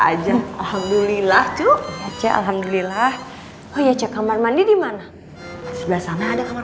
aja alhamdulillah tuh aja alhamdulillah oh ya cek kamar mandi dimana sebelah sana ada kamar